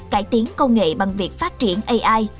cải tiến công nghệ bằng việc phát triển ai